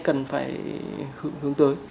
cần phải hướng tới